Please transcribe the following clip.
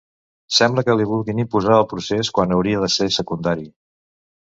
Sembla que li vulguin imposar el procés quan hauria de ser secundari.